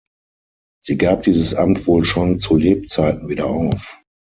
Sie gab dieses Amt wohl schon zu Lebzeiten wieder auf.